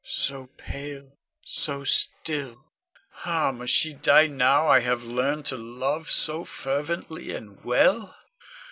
So pale, so still! Ah, must she die now I have learned to love so fervently and well?